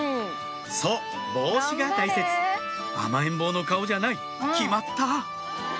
そう帽子が大切甘えん坊の顔じゃない決まった！